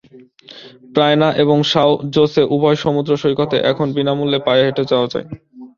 প্রাইনা এবং Sao Jose উভয় সমুদ্র সৈকতই এখন বিনা মূল্যে পায়ে হেঁটে যাওয়া যায়।